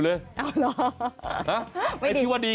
ทำไมเอ่อ